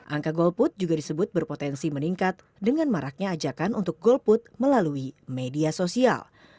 angka golput juga disebut berpotensi meningkat dengan maraknya ajakan untuk golput melalui media sosial